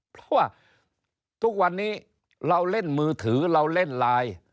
เพราะว่าทุกวันนี้เราเล่นมือถือเราเล่นไลน์